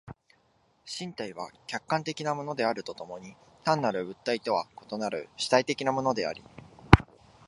身体は客観的なものであると共に単なる物体とは異なる主体的なものであり、